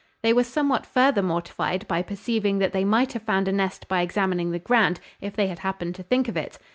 They were somewhat further mortified by perceiving that they might have found a nest by examining the ground, if they had happened to think of it.